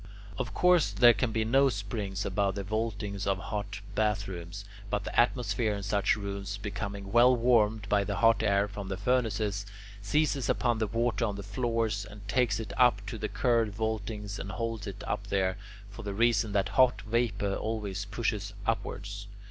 Of course there can be no springs above the vaultings of hot bathrooms, but the atmosphere in such rooms, becoming well warmed by the hot air from the furnaces, seizes upon the water on the floors, and takes it up to the curved vaultings and holds it up there, for the reason that hot vapour always pushes upwards.